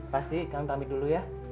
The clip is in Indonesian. pasti kami tamit dulu ya